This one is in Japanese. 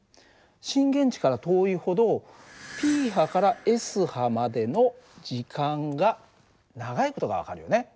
震源地から遠いほどＰ波からＳ波までの時間が長い事が分かるよね。